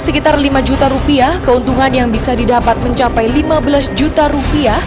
sekitar rp lima juta keuntungan yang bisa didapat mencapai rp lima belas juta